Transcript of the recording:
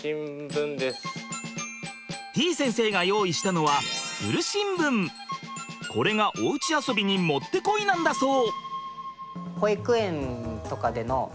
てぃ先生が用意したのはこれがおうち遊びにもってこいなんだそう。